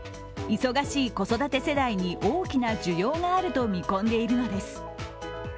忙しい子育て世代に大きな需要があると見込んでいるのです。